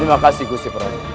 terima kasih gusipra